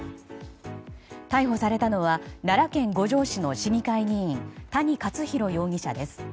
逮捕されたのは奈良県五條市の市議会議員谷勝啓容疑者です。